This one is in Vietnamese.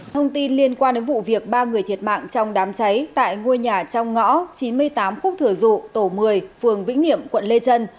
thông tin liên quan đến vụ việc ba người thiệt mạng trong đám cháy tại ngôi nhà trong ngõ chín mươi tám khúc thừa dụ tổ một mươi phường vĩnh niệm quận lê trân